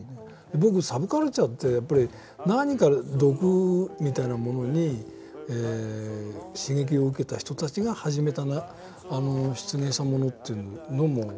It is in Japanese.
僕サブカルチャーってやっぱり何か毒みたいなものに刺激を受けた人たちが始めた出現したものっていうのも大きいと思うんです。